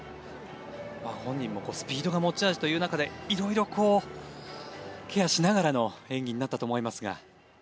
本人もスピードが持ち味という中で色々、ケアしながらの演技になったと思いますが。